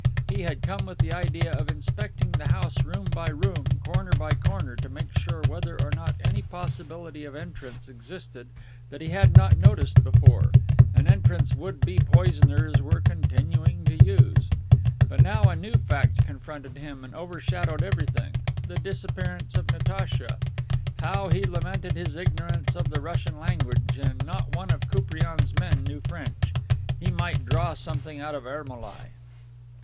He had come with the idea of inspecting the house room by room, corner by corner, to make sure whether or not any possibility of entrance existed that he had not noticed before, an entrance would be poisoners were continuing to use. But now a new fact confronted him and overshadowed everything: the disappearance of Natacha. How he lamented his ignorance of the Russian language and not one of Koupriane's men knew French. He might draw something out of Ermolai.